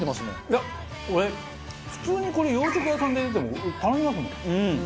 いや俺普通にこれ洋食屋さんで出ても頼みますもん。